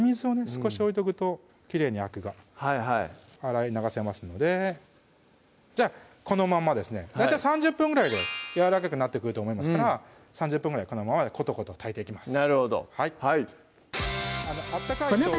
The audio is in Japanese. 少し置いとくときれいにアクが洗い流せますのでじゃあこのままですね大体３０分ぐらいでやわらかくなってくると思いますから３０分ぐらいこのままコトコト炊いていきます